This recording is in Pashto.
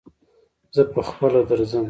زه پهخپله درځم.